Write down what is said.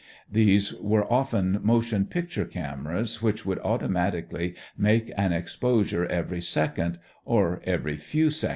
These were often motion picture cameras which would automatically make an exposure every second, or every few seconds.